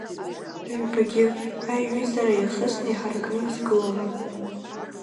Ҩбагьы, аиҩызара иахысны, иҳаракны изгылом.